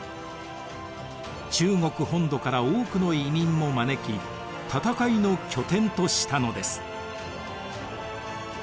中国本土から多くの移民も招き戦いの拠点としたのです。